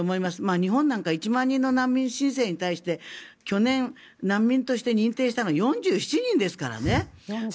日本なんか１万人の難民申請に対して去年、難民として認定したのは４７人ですからね。